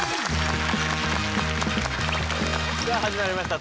さあ始まりました